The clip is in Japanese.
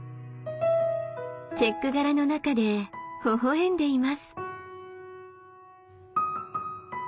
チェック柄の中でほほ笑んでいます。